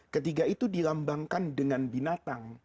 ketiga itu dilambangkan dengan binatang